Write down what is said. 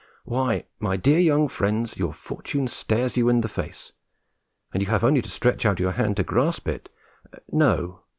Why, my dear young friends, your fortune stares you in the face, and you have only to stretch out your hand and grasp it no!